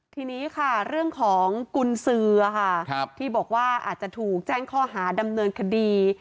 ทีนี้ค่ะเรื่องของกุญสือที่บอกว่าอาจจะถูกแจ้งข้อหาดำเนินคดี